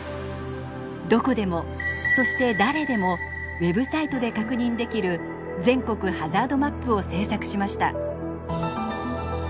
どこでもそして誰でもウェブサイトで確認できる全国ハザードマップを制作しました。